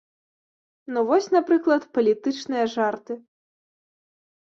Ну, вось напрыклад палітычныя жарты.